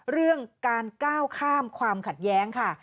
เรื่องการก้าวข้ามความขัดแย้งค่ะ